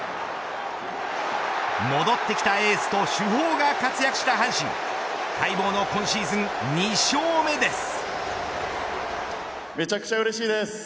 戻ってきたエースと主砲が活躍した阪神待望の今シーズン２勝目です。